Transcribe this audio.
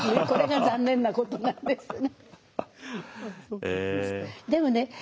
これが残念なことなんですね。